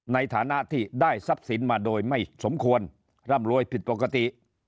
ในฐานะที่ได้ทรัพย์สินมาโดยไม่สมควรร่ำรวยผิดปกติ